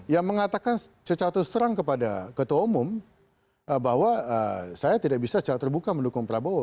yang mengatakan secara terus terang kepada ketua umum bahwa saya tidak bisa secara terbuka mendukung prabowo